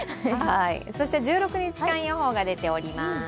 そして１６日間予報が出ております。